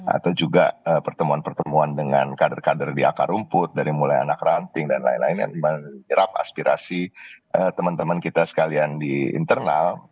atau juga pertemuan pertemuan dengan kader kader di akar rumput dari mulai anak ranting dan lain lain yang menyerap aspirasi teman teman kita sekalian di internal